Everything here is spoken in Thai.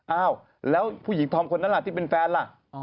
อ้าวแล้วผู้หญิงธอมคนนั้นล่ะที่เป็นแฟนล่ะ